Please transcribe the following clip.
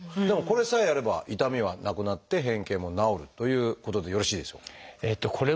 でもこれさえやれば痛みはなくなって変形も治るということでよろしいでしょうか？